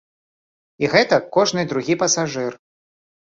І гэтак кожны другі пасажыр.